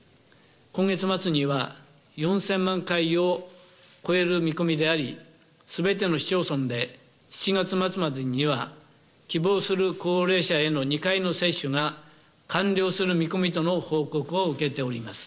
今月末には４０００万回を超える見込みであり、すべての市町村で７月末までには希望する高齢者への２回の接種が完了する見込みとの報告を受けております。